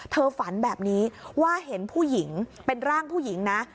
ฝันแบบนี้ว่าเห็นผู้หญิงเป็นร่างผู้หญิงนะ